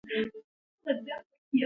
افغانستان د تنوع لپاره مشهور دی.